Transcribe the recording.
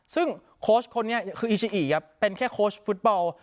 ซึ่งโค้ชคนนี้คืออีชิอิครับเป็นแค่โค้ชฟุตบอล